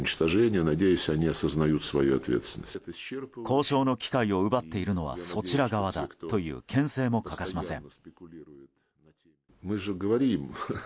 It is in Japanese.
交渉の機会を奪っているのはそちら側だという牽制も欠かしません。